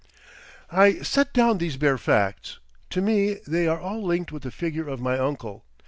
I set down these bare facts. To me they are all linked with the figure of my uncle.